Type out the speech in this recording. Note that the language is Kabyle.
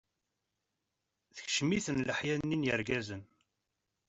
Tekcem-iten leḥya-nni n yirgazen.